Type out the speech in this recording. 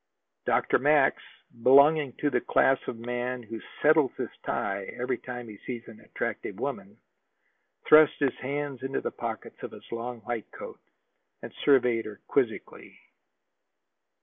Dr. Max, belonging to the class of man who settles his tie every time he sees an attractive woman, thrust his hands into the pockets of his long white coat and surveyed her quizzically.